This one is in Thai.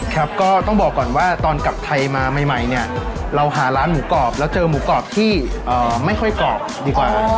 ครับก็ต้องบอกก่อนว่าตอนกลับไทยมาใหม่เนี่ยเราหาร้านหมูกรอบแล้วเจอหมูกรอบที่ไม่ค่อยกรอบดีกว่า